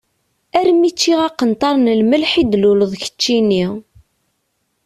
Armi ččiɣ aqenṭar n lmelḥ i d-tluleḍ keččini.